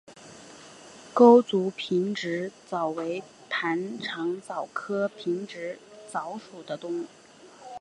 钩足平直蚤为盘肠蚤科平直蚤属的动物。